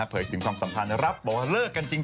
ถึงความสัมพันธ์รับบอกว่าเลิกกันจริง